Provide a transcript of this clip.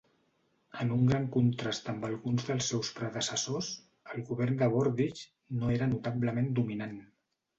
En un gran contrast amb alguns dels seus predecessors, el govern de Borbidge no era notablement dominant.